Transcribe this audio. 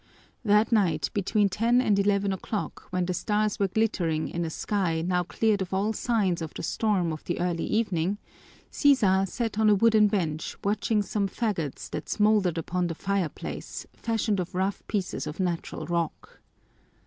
That night, between ten and eleven o'clock, when the stars were glittering in a sky now cleared of all signs of the storm of the early evening, Sisa sat on a wooden bench watching some fagots that smouldered upon the fireplace fashioned of rough pieces of natural rock.